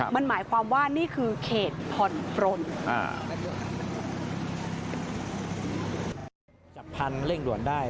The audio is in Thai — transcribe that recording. มันหมายความว่านี่คือเขตผ่อนปลน